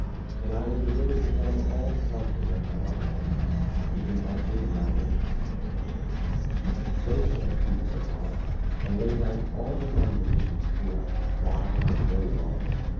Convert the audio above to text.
And I will deliver to them all counsel that cannot fail, giving answer in my rich temple.' (ll. 254 276) So said Phoebus Apollo, and laid out all the foundations throughout, wide and very long.